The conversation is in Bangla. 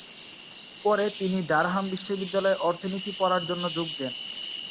পরে তিনি ডারহাম বিশ্ববিদ্যালয়ে অর্থনীতি পড়ার জন্য যোগ দেন।